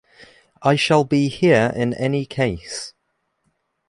I shall be here in any case.